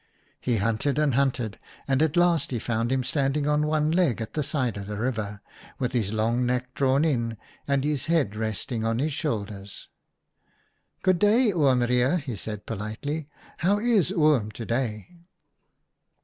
" He hunted and hunted, and at last he found him standing on one leg at the side of the river, with his long neck drawn in and his head resting on his shoulders. "' Good day, Oom Reijer,' he said politely. 1 How is Oom to day